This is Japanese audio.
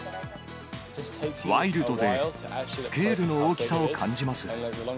ワイルドでスケールの大きさを感じます。